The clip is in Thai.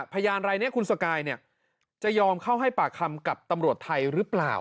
พยานรายนี้คุณสกายจะยอมเข้าให้ปากคำกับตำรวจไทยหรือเปล่า